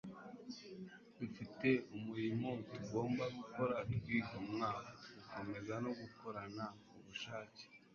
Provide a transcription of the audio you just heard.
dufite umurimo tugomba gukora kwigomwa gukomeye no gukorana ubushake